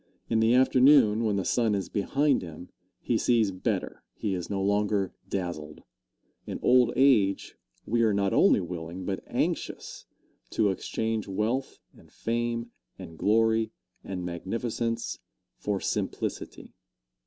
In the afternoon, when the sun is behind him, he sees better he is no longer dazzled. In old age we are not only willing, but anxious, to exchange wealth and fame and glory and magnificence, for simplicity.